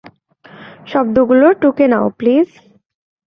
শব্দগুলো টুকে নাও, প্লিজ।